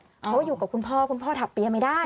เพราะว่าอยู่กับคุณพ่อคุณพ่อถักเปียไม่ได้